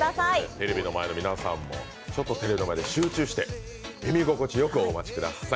テレビの前の皆さんもちょっとテレビの前で集中してお待ちください。